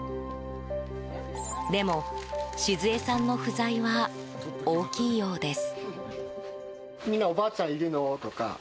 でも、静恵さんの不在は大きいようです。